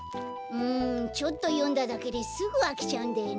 うんちょっとよんだだけですぐあきちゃうんだよね。